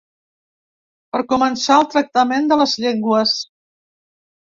Per començar, el tractament de les llengües.